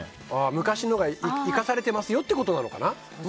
昔のが生かされてますよっていうことなのかな。